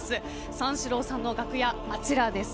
三四郎さんの楽屋、あちらです。